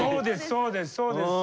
そうですそうです！